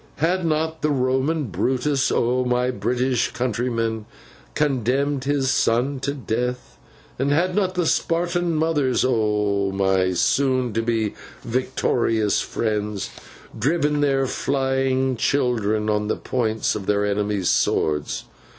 Had not the Roman Brutus, oh, my British countrymen, condemned his son to death; and had not the Spartan mothers, oh my soon to be victorious friends, driven their flying children on the points of their enemies' swords?